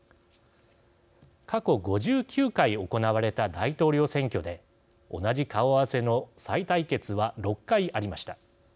過去５９回行われた大統領選挙で同じ顔合わせの再対決は６回ありました。